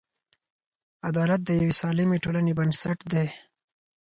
عدالت د یوې سالمې ټولنې بنسټ دی.